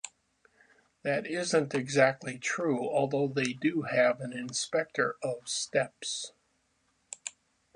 That isn't exactly true, although they do have an Inspector of Steps.